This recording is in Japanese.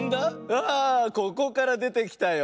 あここからでてきたよ。